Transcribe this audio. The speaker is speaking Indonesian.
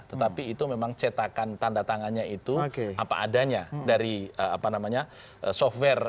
tetapi itu memang cetakan tanda tangannya itu apa adanya dari software